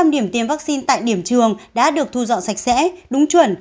bốn trăm linh điểm tiêm vaccine tại điểm trường đã được thu dọn sạch sẽ đúng chuẩn